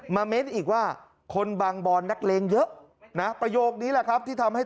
เม้นอีกว่าคนบางบอนนักเลงเยอะนะประโยคนี้แหละครับที่ทำให้